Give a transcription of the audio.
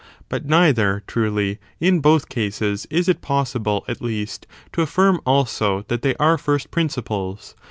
But neither, truly, in both cases is it possible, at least, to affirm, also, that they are first principles.